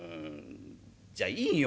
じゃあいいよ。